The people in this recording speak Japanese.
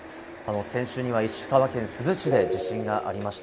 先週には石川県珠洲市で地震がありました。